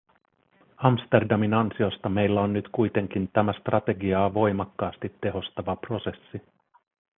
Amsterdamin ansiosta meillä on nyt kuitenkin tämä strategiaa voimakkaasti tehostava prosessi.